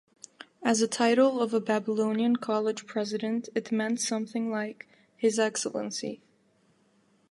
As a title of a Babylonian college president it meant something like "His Excellency".